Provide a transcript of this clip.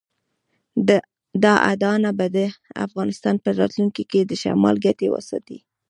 دا اډانه به د افغانستان په راتلونکي کې د شمال ګټې وساتي.